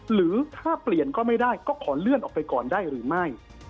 หรือถ้าเปลี่ยนก็ไม่ได้ก็ขอเลื่อนออกไปก่อนได้หรือไม่